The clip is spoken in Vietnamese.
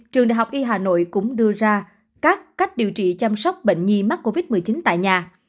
trường đại học y hà nội cũng đưa ra các cách điều trị chăm sóc bệnh nhi mắc covid một mươi chín tại nhà